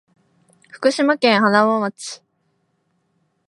福島県塙町